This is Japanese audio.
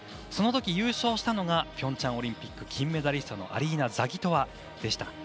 そのとき、優勝したのがピョンチャンオリンピック金メダリストのアリーナ・ザギトワでした。